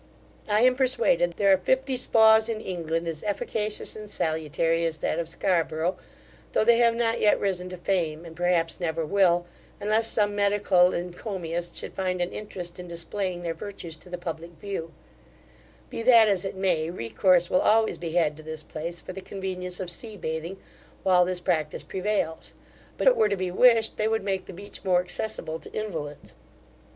I am persuaded, there are fifty spaws in England as efficacious and salutary as that of Scarborough, though they have not yet risen to fame; and, perhaps, never will, unless some medical encomiast should find an interest in displaying their virtues to the public view Be that as it may, recourse will always be had to this place for the convenience of sea bathing, while this practice prevails; but it were to be wished, they would make the beach more accessible to invalids.